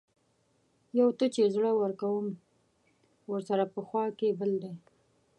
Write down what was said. يو ته چې زړۀ ورکړم ورسره پۀ خوا کښې بل دے